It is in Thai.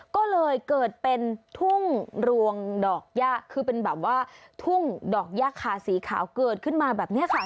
ก็เลยเกิดเป็นทุ่งรวงดอกย่าคือเป็นแบบว่าทุ่งดอกย่าคาสีขาวเกิดขึ้นมาแบบนี้ค่ะ